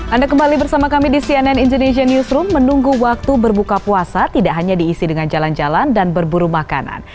anda kembali bersama kami di cnn indonesian newsroom menunggu waktu berbuka puasa tidak hanya diisi dengan jalan jalan dan berburu makanan